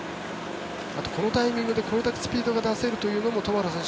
あとこのタイミングでこれだけスピードが出せるのもトマラ選手